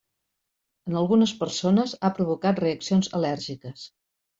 En algunes persones ha provocat reaccions al·lèrgiques.